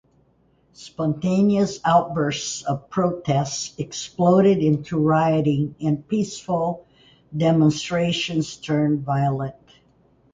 Spontaneous outbursts of protests exploded into rioting and peaceful demonstrations turned violent.